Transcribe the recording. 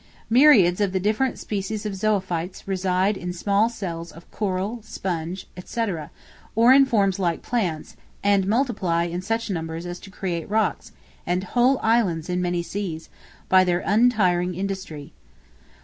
Myriads of the different species of zoophytes reside in small cells of coral, sponge, &c., or in forms like plants, and multiply in such numbers as to create rocks and whole islands in many seas, by their untiring industry.